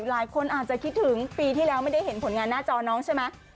หลายคนอาจจะคิดถึงปีที่แล้วไม่ได้เห็นผลงานหน้าจอน้องใช่ไหม